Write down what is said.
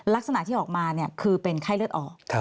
ลักษณะที่ออกมาคือเป็นไข้เลือดออก